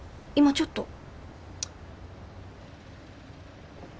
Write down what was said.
今ちょっと。